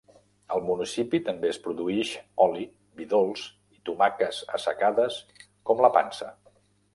Al municipi també es produïx oli, vi dolç i tomaques assecades com la pansa.